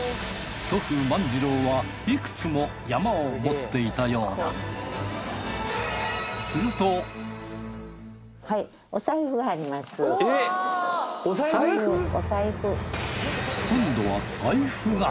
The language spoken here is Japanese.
祖父萬治郎はいくつも山を持っていたようだ今度は財布が。